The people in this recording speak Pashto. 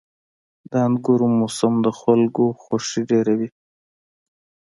• د انګورو موسم د خلکو خوښي ډېروي.